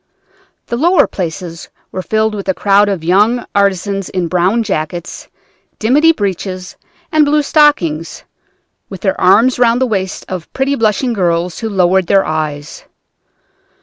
The lower places were filled with a crowd of young artisans in brown jackets, dimity breeches, and blue stockings, with their arms round the waists of pretty blushing girls who lowered their eyes.